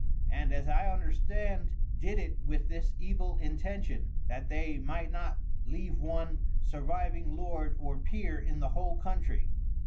And as I understnad, did it with this evil Intention, that they might not leave one surviving Lord or Peer in the whole Countrey.